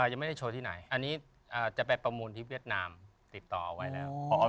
ยังไม่ได้โชว์ที่ไหนอันนี้จะไปประมูลที่เวียดนามติดต่อเอาไว้แล้ว